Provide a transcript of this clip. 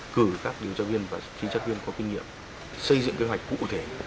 cử các điều tra viên và trinh sát viên có kinh nghiệm xây dựng kế hoạch cụ thể